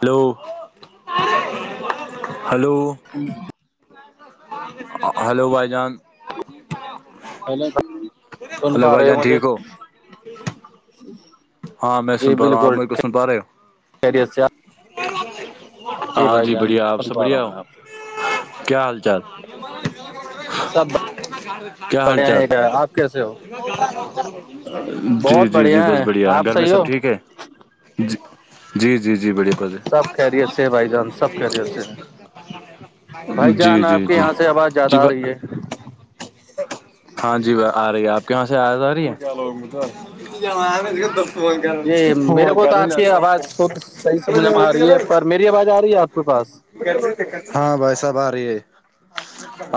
hello hello [unintelligible] hello بھائی جان hello اللے بھائی جان ٹھیک ہو جی ہاں میں جی سن پا رہا ہوں آپ میرے کو سن پا رہے ہو بالکلری جی ہاں بھائی جان بڑھیا آپ بن سب پا رہا بڑھیا ہوں ہو میں آپ کو کیا حال چال سب کیا حال بڑھیا چال ہے کیا آپ کیسے ہو جی بہت جی جی بس ہے بڑھیا آپ گھر میں صحیح ہو سب ٹھیک ہے ج جی جی جی بڑھیا بڑھیا سب کہہ رہی ہے سے بھائی جان سب کہہ رہیے سے بھائی جی جان جی آپ کے جی یہاں سے آواز زیادہ جی آ رہی ہے ہاں جی وہ آ رہی ہے آپ کے یہاں سے آ آ رہی ہے جی میرے وہ کو تو کر لل آپ کی آواز شھ صحیح سمجھ میں آ رہی ہے پر میری آواز آ رہی ہے آپ کے پاس ہاں بھائی صاحب آ رہی ہے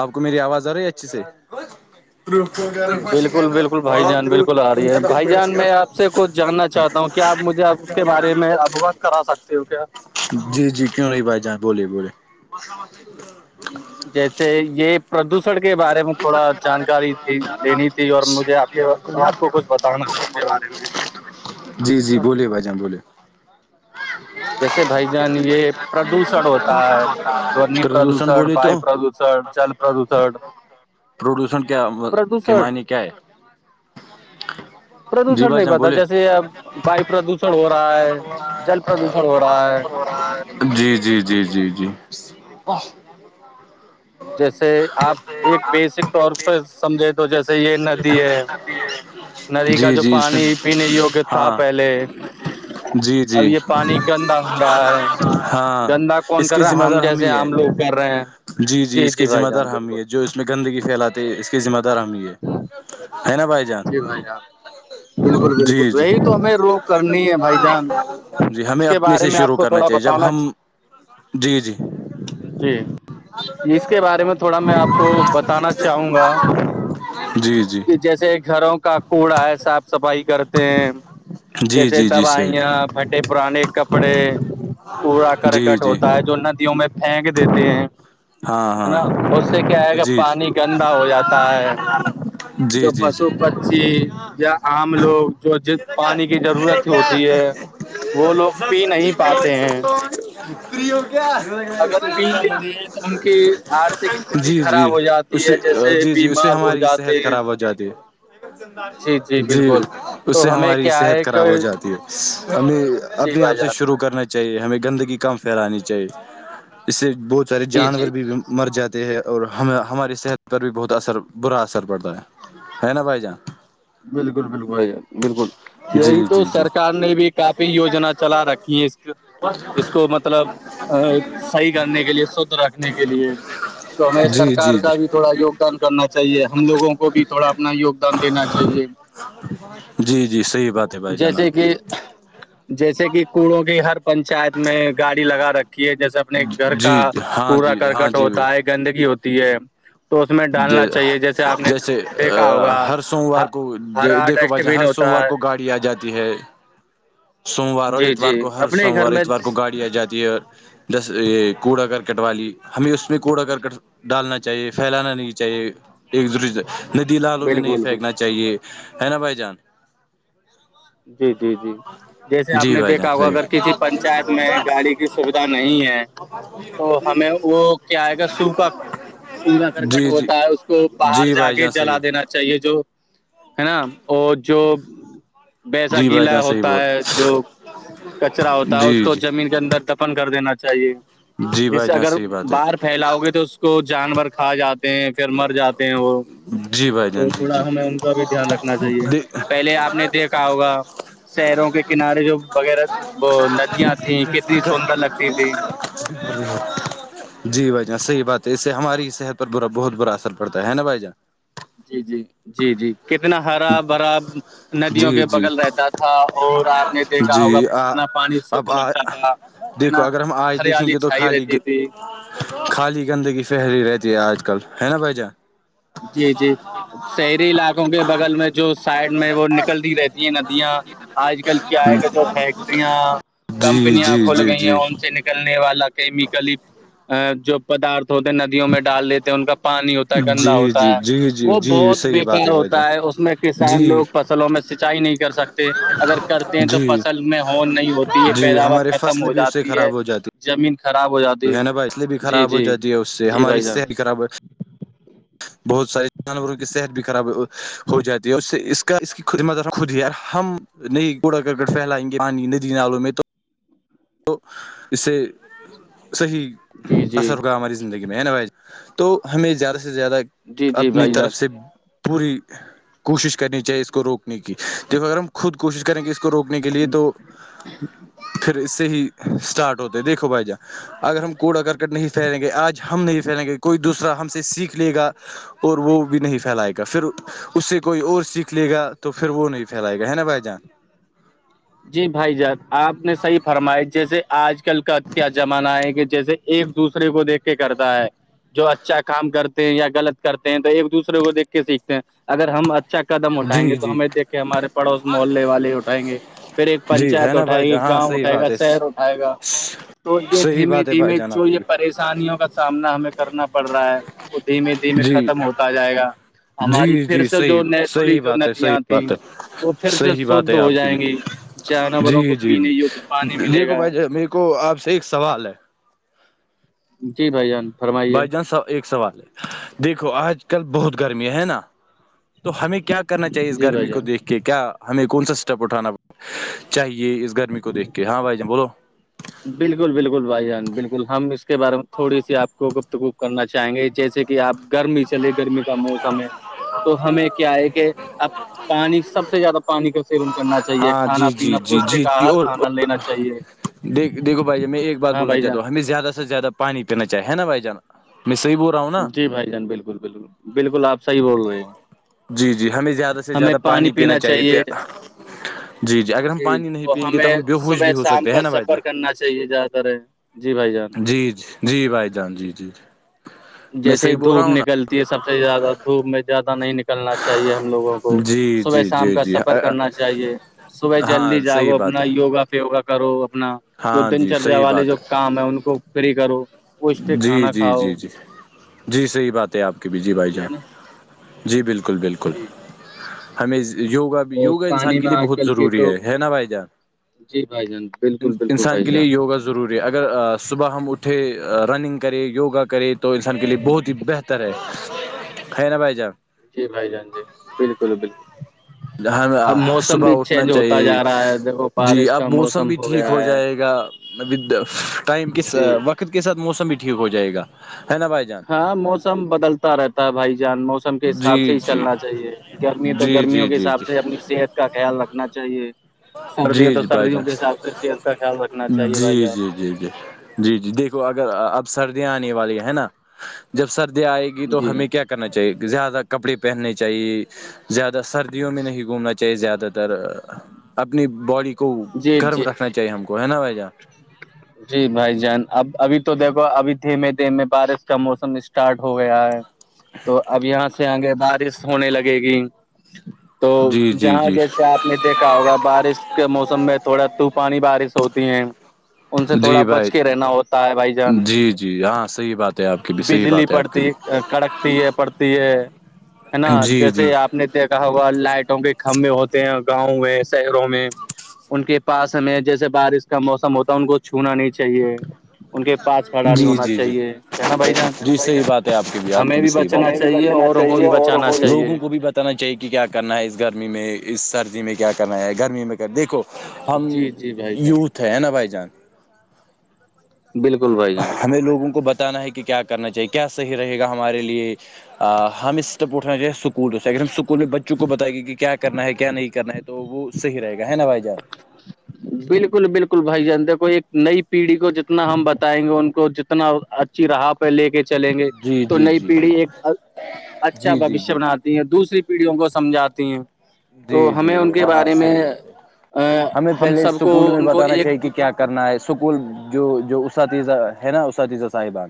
آپ کو میری آواز آ رہی ہے اچھی سے جی بالکل بالکل بھائی جان بالکل آ رہی ہے بھائی جان میں آپ سے کچھ جاننا چاہتا ہوں کیا آ مجھے اس کے بارے میں اوغت کرا سکتے ہو کیا جی جی کیوں رہی بھائی جہاں بولیے بولیے جیسے یہ پردوشن کے بارے میں تھوڑا جانکاری تھی لینی تھی اور مجھے آپ کے آپ کو کچھ بتانا تھا اس کے بارے میں جی جی بولیے بھائی جان بولے جیسے بھائی جان یہ پردوشن ہوتا ہے دونی پردوشن بولے تو وایو پردوش جل پردوشن پروڈیوسن کیا کے پردوشن معنی کیا ہے جی پردوشن بھائی نہیں جان پتا بولے جیسے اب ویو پردوشن ہو رہا ہے جل پردوشن ہو رہا ہے جی جی جی جی جی [inaudible] جیسے آپ ایک بیسک طور پ سمجھے تو جیسے یہ ندی ہے ندی جی کا جو جی اس پانی پینے یوگ تو تھا ہاں پہلے جی جی اب یہ پانی گندا ہو رہا ہے ہاں گندا کون اس کر کے رہا ذمہ ہم دار جیسے ہی ہے آام لوگ کر رہے ہیں جی جی اس کی بھائی ذمہ دار جان ہم بالکل ہی ہے جو اس میں گندگی پھیلاتے ہے اسس ذمہ دار ہمام ہی ہے ہے نا بھائی جان جی بھائی جان بالکل جی بالکل جی وہی تو ہمیں روک کرنی ہے بھائی جان جی اس ہمیں کے اپنے بارے سے میں آپ شروع کو کرنا تھوڑا چاہیے جب بتانا ہم جی جی جی اس کے بارے میں تھوڑا میں آپ کو بتانا چاہوں گا جی جی کہ جیسے گھروں کا کوڑا ہے صاف صفائی کرتے ہیں جی جیسے جی جی صحیح بات دوائیاں پھٹے پرانے کپڑے پڑا جی کرکٹ جی ہوتا ہے جو ندیوں میں پھینک دیتے ہیں ہاں ہے نا ہاں اس سے کیا ہےئے گا جی جی پانی گندا ہو جاتا ہے جی جو جی پشو جی پچی یا عام لوگ جو ج پانی کی ضرورت ہوتی ہے وہ لوگ پی نہیں پاتے ہیں ری کیا اگر پی لیتے ہیں تو ان کی آرتھک استھتی جی جی خراب ہو جاتی اسے ہے جیسے جی جی اس سے بیمار ہو ہماری جاتے صحت ہیں خراب ہو جائے جدے [unintelligible] جی بالکل اس سے تو ہمیں ہماری کیا صحت ہے کہ خراب ہو جاتی ہے ہم جی اپنے آپ بھائی سے جان شع کرنا چاہیے ہمیں گندگی کم پھیلانی چاہیے اس سے بہت سارے جی جی جانور بھی مر جاتے ہے اور ہمیں ہماری صحت پر بھی بہت اثر برا اثر پڑتا ہے ہے نا پائی جا [unintelligible] بالکل بالکل بھائی ج بالکل [unintelligible] جی یہی تو جی جی سرکار نے بھی کافی یوجنا چلا رکھی ہیں اس اس کو مطلب ا صحیح کرنے کے لیے شھ رکھنے کے لیے [unintelligible] تو ہمیں جی سرار جی جی کا بھی تھوڑا یگدان کرنا چاہیے ہم لگوں کو بھی تھوڑا اپنا یوگ دان دینا [unintelligible] چاہیے جی جی صحیح بات ہے بھائی جان جیسے آپ کی کہ [unintelligible] جیسے کہ کوڑوں کی ہر پنچایت میں گاڑی لگا رکھی ہے جیسے اپنے گھر کا جی ہاں کوڑا جی ہاں کرکٹ جی ہوتا ہے گندگی ہوتی ہے تو اس میں ڈالنا چاہیے جیسے آپ نے جیسے دیکھا ہوگا ہر سوموار کو ہرا دیکھو ڈسٹ بھائی جان بین ہر ہوتا سوموار کو [unintelligible] گاڑی آ جاتی ہے سوموار اور جی اتوار جی کو ہر اپنے گھر سوموار میں اتوار کو گاڑی جاتی ہے اور جس یہ کوڑا کرکٹ والی ہمیں اس میں کوڑا کرکٹ ڈالنا چاہیے پھیلانا نہیں چاہیے ایک دوسرے سے ندی لالوں میں نہیں بالکل بال پھینکناے چاہیے ہے نا بھائی جان جی جی جی جیسے آپ جی نے بھائی جان دیکھا ہوا صحیح اگر کسی پنچایت میں گاڑی کی سویدھا نہیں ہے تو ہمیں وہ کیا آئے گا سو کا ا [unintelligible] کٹ ہوتا ہے اس کو باہر جا کے جلا دینا چاہیے جو ہے نا اور جو بییسا جی بھائی گیلا جان صحیح ہوتا بول ہے جو کچرا ہوتا ہے اس جی کو جی زمین اندر تپن کر دینا چاہیے جی بھائی جیسے جان اگر صحیح بات ہے باہار پ [unintelligible] پھیلاؤ گے تو اس کو جانور کھا جاتے ہیں پھر مر جاتے ہیں وہ جی بھائی تو جان جی تھوڑا ہمیں ان کا بھی دھیان رکھنا چاہیے جی پہلے آپ نے دیکھا ہوگا شہروں کے کنارے جو وغیرہ وہ ندیاں تھیں کتنی سندر لگتی تھیں بت [unintelligible] جی بھائی جاناں صح بات ہے اس سے ہماری صحت پر با بہت برا اثر پڑتا ہے نا بھائی جان [unintelligible] جی جی جی جی کتنا ہرا بھرا ندیوں جی کے جی بغل رہتا تھا اور آپ نے دیکھا جی ہوگا کتنا پانی اب شھ لگتا تھا ہے دیکھو نا اگر ہم آج دیکھیں ہریالی گے تو چھائی خالی رہتی تھی [unintelligible] خالی گندگی پہلی رہتی ہے آج کل ہے نا بھ جان جی جی شہری علاقوں کے بغل میں جو سائڈ میں وہ نکلتی رہتی ہیں ندیاں آج کل کیا آئے گا جو فیکٹریاں جی کمپنیاں جی کھل جی گئی ہیں جی ان سے نکلنے والا کیمیکلی جو پدارتھ ہوتے ندیوں میں ڈال دیتے ہیں ان کا پانی ہوتا ہے گندا جی ہوتا ہے جی جی جی وہ جی بہت صحیح بات بےیکار بھائی ہوتا ہے جان اس میں کسان جی لوگ فصلوں میں سینچائی نہیں کر سکتے اگر کرتے ہیں تو جی فصل میں ہون نہیں ہوتی ہے جی پیداوار ہمارے ختم فصل ہو بھی جاتی ہے زمین خراب ہو جاتی یہ ہے نا بائی اس لیے بھی جی خراب ہو جی جاتی ہے اس سے جی ہماری بھائی جان صحت بھی خراب ہو بہت سارے جانوروں کی صحت بھی خراب ہو جاتی ہے اور سے اس کا اس کی خ مذ خود ہی ہے ہم [unintelligible] نہیں کوڑا کرکٹ پھیلائیں گے پانی ندی نالوں میں تو تو اس سے صحیح جی جی اثر ہوگا ہماری زندگی میں ہے نا بھائی تو ہمیں زیادہ سے زیادہ جی جی اپنی بھائی جان طرف سے پوری کوشش کرنی چاہیے اس کو روکنے کی دیکھ اگر ہم خود کوشش کریں گے اس کو روکنے کے لیے تو پھر اس سے سے ہی اسٹارٹ ہوتے دیکھو بھائی جا اگر ہم کوڑا کرکٹ نہیں پھیلیں گے آج ہم نہیں پھیریں گے کوئی دوسرا ہم سے سیکھ لے گا اور وہ بھی نہیں پھیلائے گا پھر اس سے کوئی اور سیکھ لے گا تو پھر وہ نہیں پھیلائے گا ہے نا بھائی جان جی بھائی جاد آپ نے صحیح فرمائش جیسے آج آج کل کا کیا زمانہ ہے کہ جیسے ایک دوسرے کو دیکھ کے کرتا ہے جو اچھا کام کرتے ہیں یا غلط کرتے ہیں تو ایک دوسرے کو دیکھ کے سیکھتے ہیں اگر ہم اچھا قدم اٹھائیں جی گے تو جی ہمیں دیکھ کے ہمارے پڑوس محلے والے اٹائیں گے پھر ایک جی ہے پنچایت نا اٹھائے بھائی گی جان ہاں گاؤں صحیح اٹھائے گا بات ہے شہر اٹھائے گا تو یہ صحیح دھیمے بات ہے بھائی دھیمے جان جو آپ کی یہ بھی پریشانیوں کا سامنا ہمیں کرنا پڑ رہا ہے دھیمے دھیمے جی ختم ہوتا جائے گا ہماری جی پھر جی سے جو صحیح نیچرلی صحیح جو بات ہے صحیح ندیاں تھیں بات ہے وہ پھر سے صحیح شھ بات ہے ہو آپ کی بھی جائیں گی جانوروں کو جی جی پینے جی یوگ پانی ملے دیکھو گا بھائی میرے کو آپ سے ایک سوال ہے جی بھ جان فرمائیے بھائی جان س ایک سوال ہے دیکھو آج کل بہت گرمییا ہے نا تو ہمیں کیا کرنا چاہیے اس جی بھائی گرمی کو جان دیکھ کہ کیا ہمیں کون سا اسٹیپ اٹھاناڑ چاہیے اس گرمی کو دیکھ کے ہاں بھائی جان بولو بالکل بالکل بھائی جان بالکل ہم اس کے بارے میں تھوڑی سی آپ کو گفتگوپ کرنا چاہیں گے جیسے کہ آپ گرمی چلے گرمی کا موسم ہے تو ہمیں کیا ہے کہ اب پانی سب سے زیادہ پانی کا سیون کرنا چاہیے ہاں کھانا جی جی پینا جی پوشٹک آہار کھانا لینا چاہیے دیکو بھائی جان میں ایک بات ہاں بولنا بھائی چاہتا جان ہوں ہمیں زیادہ سے زیادہ پانی پینا چاہے ہے نا بھ جان میں صحی بول رہ جی بھائی جان بالکل بالکل بالکل آپ صحی بول رہے ہو جی جی ہمیں زیادہ سے زیادہ پانی پینا چاہیے اگر ہم جی پانی نہیں اور پیئیں گے تو ہمیں ہم بےہوش صبح بھی ہو شام سکتے کا ہیں نا بھائی سفر جان کرنا چاہیے جیا تر ہے جی بھائی جان جی جی جی بھائی جان جی جی میں جیسے ہی صحیح بول رہا دھوپ ہوں نا نکلتی ہے سب سے زیادہ دھوپ میں زیادہ نہیں نکلنا چاہیے ہم لوگوں کو جی صبح جی شام جی کا سفر جی کرنا چاہیے صبح جلدی ہاں صحیح جاگو بات اپنا ہے یوگا فیوگا کرو اپنا جو ہاں دن جی چریا صحیح والے بات جو کام ہے ان کو فری کرو پوشٹک جی کھانا جی کھاؤ جی جی جی صحیح بات ہے آپ کی بھی جی بھائی ٹھیک ہے نا جان جی بالکل بالکل جی ہمیں یوگا بھی اور یوگا پانی انسان کے میں لیے آج بہت کل کے ضروری تو ہے نا بھائی جان جی بائی جان بالکل بالکل انسان بھائی کے جان یوگا ضروری ہے اگر صبح ہم اٹھے رننگ کرے یوگا کرے تو انسان کے لیے بہت ہی بہتر ہے ہے نا بھائی جان جی بھائی جان جی بالکل بالکل ہم اب موسم بھی صبح اٹھنا چینج ہوتا چاہیے جا رہا ہے دیکھو جی بارش کا اب موسم بھی ٹھیک گیا ہو ہے جائے گا و ٹائم کے جی وقت کے ساتھ موسم بھی ٹھیک ہو جائے گا ہے نا بھائی جان ہاں موسم بدلتا رہتا ہے بھائی جان موسم کے جی حساب سے ہی جی چلنا چاہیے گرمی تو جی گرمیوں جی کے جی حساب جی سے اپنی صحت کا خیال رکھنا چاہیے سردیا جی تو جی بائی سردیوں کے چانس حساب سے صحت کا خیال رکھنا چاہیے بھائی جی جان جی جی جی جی جی دیکھو اگر اب سردیاں آنے والی ہے نا جب سردیاں آئے گی تو جی ہمیں کیا کرنا چاہیے زیادہ کپڑے پہننے چاہیے زیادہ سردیوں میں نہیں گھومنا چاہیے زیادہ تر اپنی باڈی کو جی گرم جی رکھنا چاہیے ہم کو ہے نا بھجا جی بھائی جان اب ابھی تو دیکھو ابھی دھیمے دھیمے بارش کا موسم اسٹارٹ ہو گیا ہے تو اب یہاں سے آگے بارش ہونے لگے گی تو جی جی جہاں جی جیسے آپ نے دیکھا ہوگا بارش کے موسم میں تھوڑا طوفانی بارش ہوتی ہیں ان سے تھوڑا جی بچ بھائی کے رہنا ہوتا ہے بھائی جان جی جی ہاں صحیح بات ہے آپ کی بھی صحیح بجلی بات ہے آپ کی پڑتی بھی کڑکتی ہے پڑتی ہے ہے نا جی جی جیسے آپ نے دیکھا ہوا لائٹوں کے کھمبے ہوتے ہیں گاؤں میں شہروں میں ان کے پاس میں جیسے بارش کا موسم ہوتا ان کو چھونا نہیں چاہیے ان کے پاس کھڑا نہیں جی ہونا جی جی چاہیے ہے نا بھائی جان جی صحیح بات ہے آپ کی بھی آپ کی ہمیں بھی صحی بات بچنا ہمیں بھی چاہیے بچنا اوروں کو چاہیے بھی اور بچانا چاہیے لووں کو بھی ب اتنا چاہیے کہ کیا کرنا ہے اس گرمی میں اس سردی میں کیا کرنا ہے گرمی میں کر دیکھو ہم جی جی بھائی جان یوتھ ہے ہے نا بھائی جان بالکل بھائی جان ہمیں لوگوں کو بتانا ہے کہ کیا کرنا چاہیے کیا صحیح رہے گا ہمارے لیے ہم اسٹیپ اٹھانا چاہے اسکول جو سے اگر ہم اسکول میں بچوں کو بتائے گے کہ کیا کرنا ہے کیا نہیں کرنا ہے تو وہ صحیح رہے گا ہے نا بھائی جان [unintelligible] بالکل بالکل بھائی جان دیکھو ایک نئی پیڑھی کو جتنا ہم بتائیں گے ان کو جتنا راہ پہ لے کے چلیں گے جی تو جی نئی جی جی پیڑھی ایک اچھا جی جی بوشیہ جی بناتی دوسری پیڑھیوں کو سمجھاتی ہیں تو جی ہمیں جی ان کے وہاں بارے میں صحیح بات ہے ا ہمیں ہم پہلے سب کو اسکول میں ان کو بتانا ایک چاہیے کہ کیا کرنا ہے سکول جو جو اساتیزہ ہے نا اساتیزہ صاحبان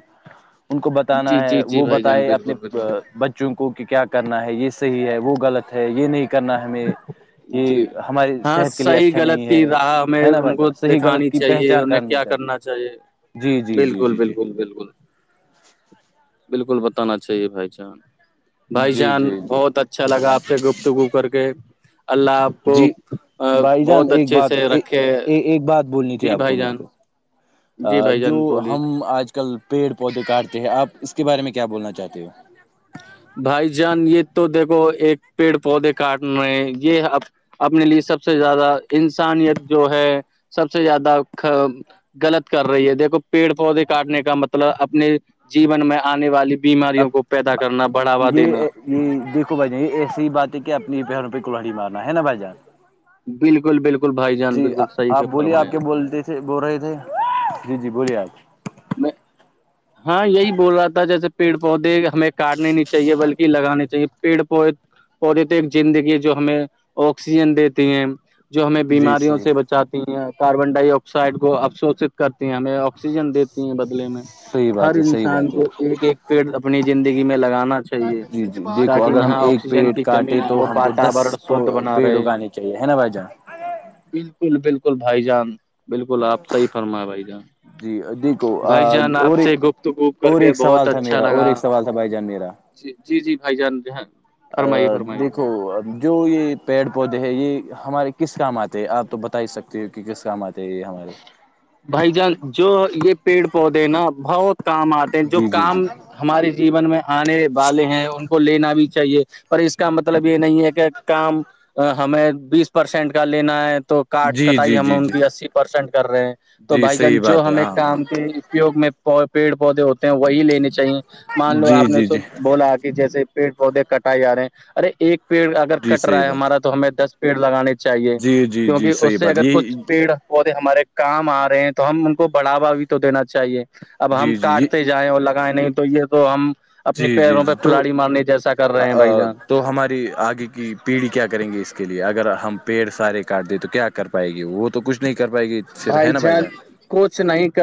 ان کو بتانا جی ہے جی جی وہ بھائی جان بتائے اپنے بالکل بالکل ب وں کو کہ کیا کرنا ہے یہ صحیح ہے وہ غلط ہے یہ نہیں کرنا ہمیں جی یہ ہماری ہاں صحت کے لیے صحیح اچھا غلط نہیں ہے ہی رہا ہمیں ہے نا ان بھائی کو جان صحیح غلط دکھانی کی چاہیے پہچان انہیں کرنی کیا چاہیے کرنا اچھا جی جی جی جی بالکل جی جی بالکل بالکل بالکل بتانا چاہیے بھائی جان بھائی جی جان جی جی بہت اچھا لگا آپ سے گفت گپ کر کے اللہ آپ کو جی بھائی جان بہت ایک اچھے بات سے رکھے ایک بات بولنی تھی جی آپ کو بھائی میرے جان کو جی ا بھائی جو جان بولیے ہم آج کل پیڑ پودے کاٹتے ہیں آپ اس کے بارے میں کیا بولنا چاہتے ہو بھائی جان یہ تو دیکھو ایک پیڑ پودے کاٹ رہے ہیں یہ اب اپنے لیے سب سے زیادہ انسانیت جو ہے سب سے زیادہ غلط کر رہی ہے دیکھو پیڑ پودے کاٹنے کا مطلب اپنے جیون میں آنے والی اب بیماریوں کو پیدا کرنا بڑھاوا یہ دینا یہ دیکو بھائی جان یہ ایسی ہی بات ہے کہ اپنی پیروں پہ کلہڑی مارنا ہے نا بھائی جان بالکل بالکل بھائی جان جی بالکل آپ صحیحہ بولیے آپ فرمایا کیا بولتے بول رہے تھے جی جی بولیے آپ میں ہاں یہی بول رہا تھا جیسے پیڑ پودے ہمیں کاٹنے نہیں چاہیے بلکہ لگانے چاہیے پیڑ پودے پودٹک زندگی جو ہمیں آکسیجن دیتی ہیں جو ہمیں جی بیماریوں صحیح سے بچاتی ہیں کاربن ڈائی آکسائڈ کو اپفشوشت کرتی ہیں ہمیں آکسیجن دیتی ہیں بدلے میں صحیح ہر بات ہے صحیح انسان بات کو ایک ایک پیڑ اپنی زندگی میں لگانا چاہیے ہے جی جی دیکھو تاکہ اگر ہم یہاں آکسی ایک آکسیجن پیڑ کی کمی کاٹے نہ تو وہ ہم کو دس واتورن شھ بنا پیڑ رہے اگانے چاہیے ہے نا بھائی جان بالکل بالکل بھائی جان بالکل آپ صحی فرمایا بھائی جان جی دیک بھائی جان آپ اور ایک سے گفتگو کر اور کے ایک بہت سوال تھا اچھا میرا اور ایک لگا سوال تھا بھائی جان میرا جی جی جی بھائی جان جاں ا دیکھو جو یہ پیڑ پودے ہے یہ ہمارے کس کام آتے ہیں آپ تو بتا ہی سکتے ہو کہ کس کام آتے ہے یہ ہمارے بھائی جان جو یہ پیڑ پودے نا بہت کام آتے ہیں جو جی جی جی کام ہمارے جیون میں آنے والے ہیں ان کو لینا بھی چاہیے پر اس کا مطلب یہ نہیں ہے کہ کام ہمیں بیس پرسینٹ کا لینا ہے تو کاٹ جی کٹائی جی ہمیں جی ان جی کی ری سینٹ کر رہے ہیں تو جی بھائی جان صحیح جو بات ہے ہمیں ہاں ہاں کام کے اپیوگ میں پہن پیڑ پودے ہوتے ہیں وہی لینے چاہیے مان لو جی آپ نے جی جی سب بولا جیسے پیڑ پودے کٹائے جا رہے ہیں ارے ایک پیڑ اگر جی کٹ رہا صحیح ہے بات ہمارا تو ہمیں دس پیڑ لگانے چاہیے جی جی جی کیونکہ اس صحیح سے بات اگر یہ کچھ پیڑ وہ ہمارے کام آ رہے ہیں تو ہم ان کو بڑھاوا بھی تو دینا چاہیے اب ہم جی جی یہ کاٹتے جائے اور لگائیں نہیں تو یہ تو ہم اپنے جی جی پیروں پہ جی تو کھلاڑی مارنی جیسا کر رہے ہیں بھائی جان تو ہماری آگے کی پیڑھی کیا کریں گے اس کے لیے اگر ہم پیڑ سارے کاٹ دیں تو کیا کر پائے گی وہ تو کچھ نہیں کر پائے گی صھر ہے نا بھائی جان کچھ نہیں کر